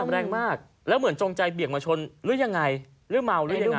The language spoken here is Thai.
แรงมากแล้วเหมือนจงใจเบี่ยงมาชนหรือยังไงหรือเมาหรือยังไง